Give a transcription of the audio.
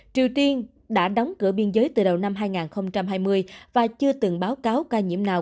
triều tiên đã đóng cửa biên giới từ đầu năm hai nghìn hai mươi và chưa từng báo cáo ca nhiễm nào